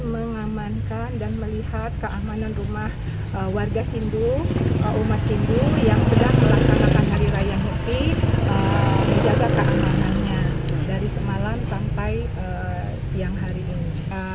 menjaga keamanannya dari semalam sampai siang hari ini